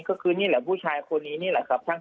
ก็คือนี่แหละผู้ชายคนนี้นี่แหละครับ